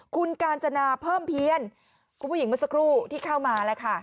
คุณกาญจนาเพิ่มเพี้ยนคุณผู้หญิงเมื่อสักครู่ที่เข้ามาแล้วค่ะ